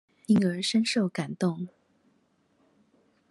因而深受感動